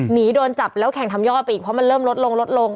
หนีโดนจับแล้วแข่งทำยอดไปอีกเพราะมันเริ่มลดลงลดลง